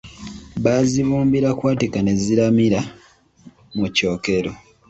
Baazibumbira kwatika, ne ziramira mu kyokero.